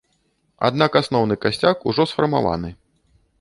Аднак асноўны касцяк ужо сфармаваны.